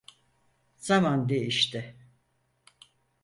Zaman değişti.